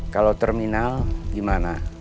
kalau terminal gimana